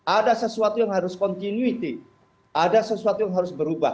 ada sesuatu yang harus continuity ada sesuatu yang harus berubah